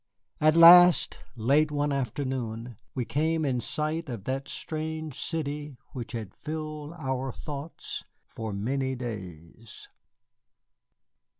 At last, late one afternoon, we came in sight of that strange city which had filled our thoughts for many days.